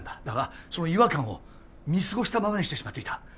だがその違和感を見過ごしたままにしてしまっていた。